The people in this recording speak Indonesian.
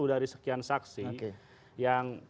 dari sekian saksi yang